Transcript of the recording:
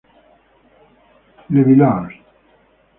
Le Villars